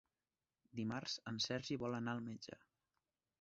Dimarts en Sergi vol anar al metge.